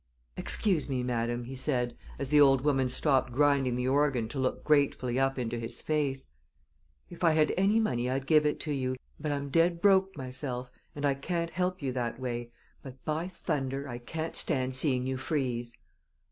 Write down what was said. "Excuse me, madam," he said, as the old woman stopped grinding the organ to look gratefully up into his face. "If I had any money I'd give it to you, but I'm dead broke myself, and I can't help you that way. But, by thunder! I can't stand seeing you freeze!"